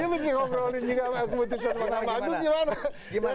dia mesti ngobrolin juga keputusan mahkamah agung gimana